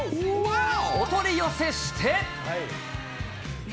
お取り寄せして。